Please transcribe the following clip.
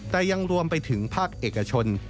แต่ยังรวมไปถึงภาคเอกชน